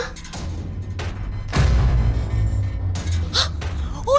mami itu om dio tuh